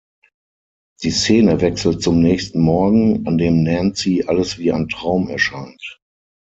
Die Szene wechselt zum nächsten Morgen, an dem Nancy alles wie ein Traum erscheint.